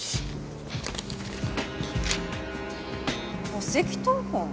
戸籍謄本？